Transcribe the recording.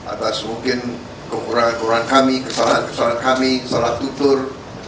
atas mungkin kekurangan kekurangan kami kesalahan kesalahan kami kesalahan